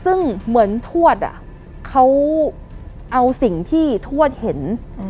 ซึ่งเหมือนทวดเขาเอาสิ่งที่ทวดเห็น